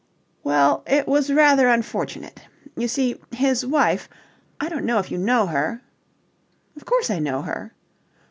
"Well, it was rather unfortunate. You see, his wife I don't know if you know her?..." "Of course I know her."